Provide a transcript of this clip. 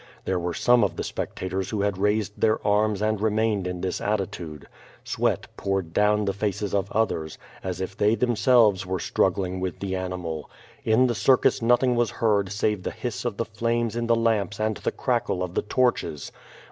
There were some of the spectators who had raised their arms and remained in this attitude. Sweat poured down the faces of others, as if they themselves were struggling with the animal. In the circus nothing was heard save the hiss of the flames in the lamps and the crackle of the torches.